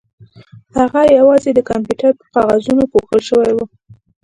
هغه یوازې د کمپیوټر په کاغذونو پوښل شوې وه